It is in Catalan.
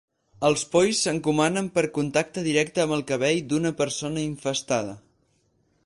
Els polls s'encomanen per contacte directe amb el cabell d'una persona infestada.